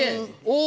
お！